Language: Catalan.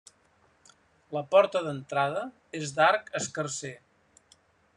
La porta d'entrada és d'arc escarser.